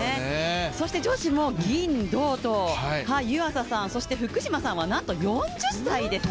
そして女子も銀、銅と、湯浅さん、福島さんはなんと４０歳ですよ。